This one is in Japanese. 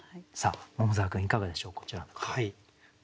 桃沢君いかがでしょうこちらの句。